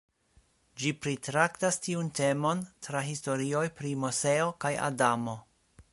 Ĝi pritraktas tiun temon tra historioj pri Moseo kaj Adamo.